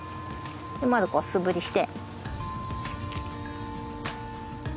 まずこう素振りして。